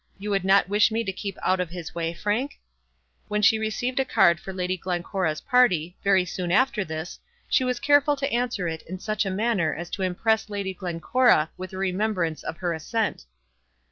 You would not wish me to keep out of his way, Frank?" When she received a card for Lady Glencora's party, very soon after this, she was careful to answer it in such a manner as to impress Lady Glencora with a remembrance of her assent.